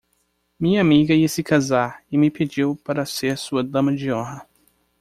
Minha amiga ia se casar e me pediu para ser sua dama de honra.